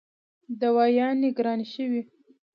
دوايانې ګرانې شوې